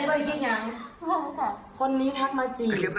วันนี้ทักมาจีบ